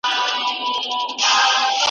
هره تېږه من نه ده ,